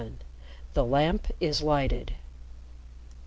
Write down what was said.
VII "THE LAMP IS LIGHTED!"